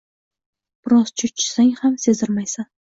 biroz cho‘chisang ham sezdirmaysan